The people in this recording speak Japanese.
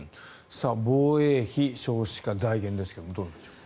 防衛費、少子化財源ですがどうでしょう。